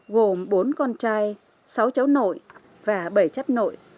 gồm bốn con trai sáu cháu nội và bảy chất nội